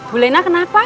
bu lena kenapa